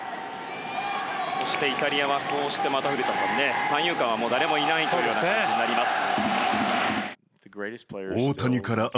そしてイタリアはこうしてまた古田さんね三遊間はもう誰もいないというような感じになります。